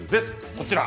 こちら！